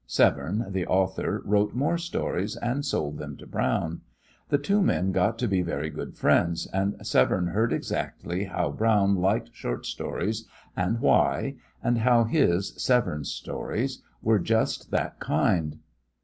Severne, the author, wrote more stories, and sold them to Brown. The two men got to be very good friends, and Severne heard exactly how Brown liked short stories and why, and how his, Severne's, stories were just that kind.